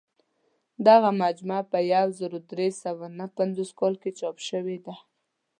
دغه مجموعه په یو زر درې سوه نهه پنځوس کال چاپ شوې ده.